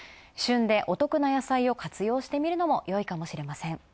旬でお得な野菜を活用してみるのもよいかもしれません。